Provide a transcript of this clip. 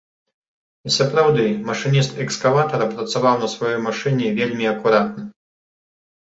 І сапраўды, машыніст экскаватара працаваў на сваёй машыне вельмі акуратна.